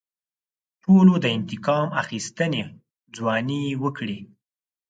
ټولو د انتقام اخیستنې ځوانۍ وکړې.